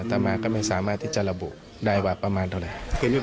ต่อมาก็ไม่สามารถที่จะระบุได้ว่าประมาณเท่าไหร่